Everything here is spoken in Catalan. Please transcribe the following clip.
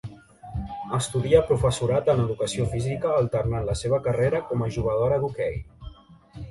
Estudia professorat en educació física alternant la seva carrera com a jugadora d'hoquei.